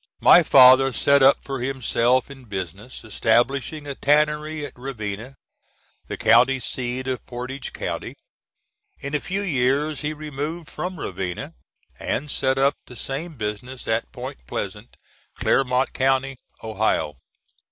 My father set up for himself in business, establishing a tannery at Ravenna, the county seat of Portage County. In a few years he removed from Ravenna, and set up the same business at Point Pleasant, Clermont County, Ohio.